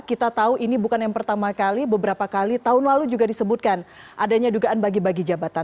kita tahu ini bukan yang pertama kali beberapa kali tahun lalu juga disebutkan adanya dugaan bagi bagi jabatan